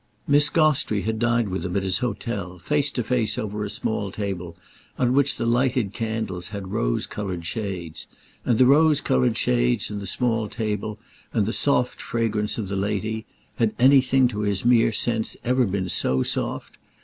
Miss Gostrey had dined with him at his hotel, face to face over a small table on which the lighted candles had rose coloured shades; and the rose coloured shades and the small table and the soft fragrance of the lady—had anything to his mere sense ever been so soft?